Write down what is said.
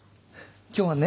今日はね